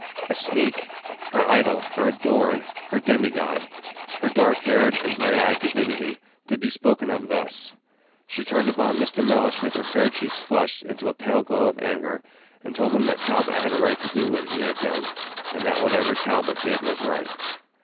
A sneak! Her idol, her adored, her demigod, her dark haired and gray eyed divinity, to be spoken of thus! She turned upon Mr. Mellish with her fair cheeks flushed into a pale glow of anger, and told him that Talbot had a right to do what he had done, and that whatever Talbot did was right.